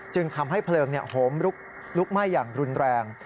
จึงทำให้เพลิงโหมลุกไหม้อย่างรุนแรง